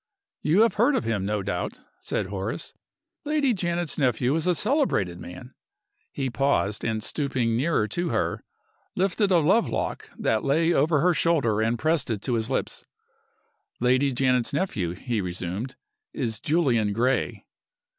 "You have heard of him, no doubt," said Horace. "Lady Janet's nephew is a celebrated man." He paused, and stooping nearer to her, lifted a love lock that lay over her shoulder and pressed it to his lips. "Lady Janet's nephew," he resumed, "is Julian Gray."